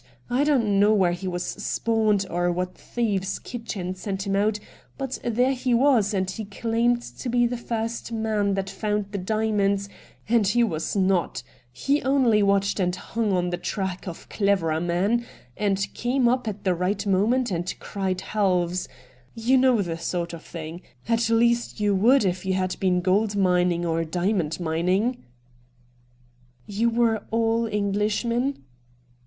I don't know where he was spawned, or what thieves' kitchen sent him out, but there he was, and he claimed to be the first man that found the diamonds, and he was not ; he only watched and hung on the track of cleverer men, and came up at the right moment and cried halves — you know the sort of thiDg — at least you would if you had been gold mining or diamond mmmg. * You were all Englishmen